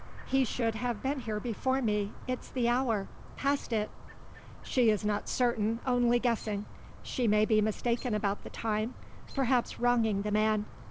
He should have been here before me. It's the hour past it!" She is not certain only guessing. She may be mistaken about the time perhaps wronging the man.